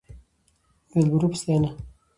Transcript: د دلبرو په ستاينه